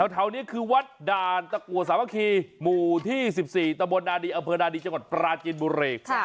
แถวนี้คือวัดด่านตะกัวสามัคคีหมู่ที่๑๔ตะบนนาดีอำเภอนาดีจังหวัดปราจีนบุรี